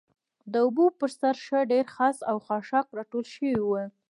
د اوبو پر سر ښه ډېر خس او خاشاک راټول شوي و.